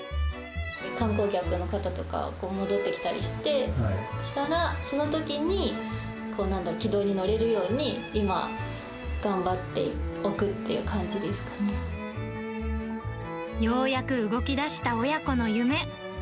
観光客の方とか戻ってきたりして、したら、そのときに軌道に乗れるように、今、頑張っておくっていう感じでようやく動きだした親子の夢。